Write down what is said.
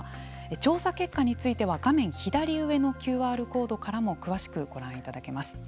調査結果については画面左上のＱＲコードからも詳しくご覧いただけます。